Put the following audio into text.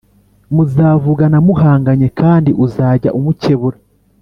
muzavugana muhanganye kandi uzajya umukebura